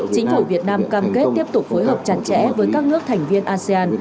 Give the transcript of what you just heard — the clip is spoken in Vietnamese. chính phủ việt nam cam kết tiếp tục phối hợp chặt chẽ với các nước thành viên asean